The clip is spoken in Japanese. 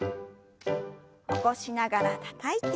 起こしながらたたいて。